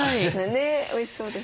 ねっおいしそうですね。